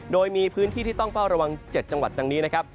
โดยมีพื้นที่ที่ต้องเฝ้าระวัง๗จังหวัดดังนี้นะครับ